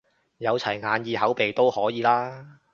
有齊眼耳口鼻都可以啦？